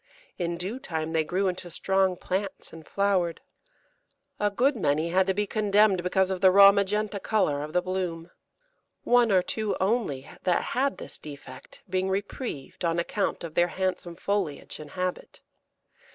In due time they grew into strong plants and flowered. A good many had to be condemned because of the raw magenta colour of the bloom, one or two only that had this defect being reprieved on account of their handsome foliage and habit.